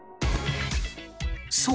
そう。